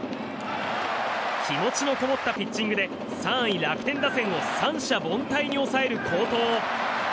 気持ちのこもったピッチングで３位、楽天打線を三者凡退に抑える好投。